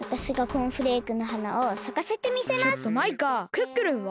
クックルンは？